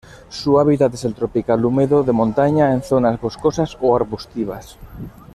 Su hábitat es el tropical húmedo de montaña en zonas boscosas o arbustivas.